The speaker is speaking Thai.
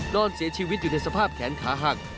นอนเสียชีวิตอยู่ในสภาพแขนขาหัก